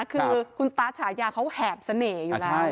คือคุณตาฉายาเขาแหบเสน่ห์อยู่แล้ว